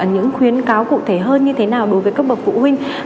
những khuyến cáo cụ thể hơn như thế nào đối với các bậc phụ huynh